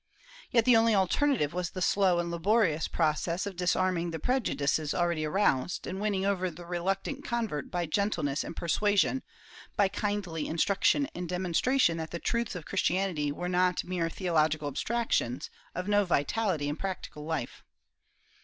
Yet the only alter native was the slow and laborious process of disarming the preju dices already aroused, and winning over the reluctant convert by gentleness and persuasion, by kindly instruction and demon stration that the truths of Christianity were not mere theological abstractions, of no vitality in practical life.